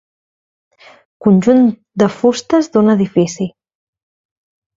Conjunt de fustes d'un edifici.